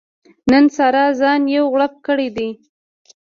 نن سارا ځان یو غړوپ کړی دی.